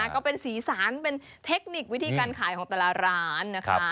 ก็เป็นสีสันเป็นเทคนิควิธีการขายของแต่ละร้านนะคะ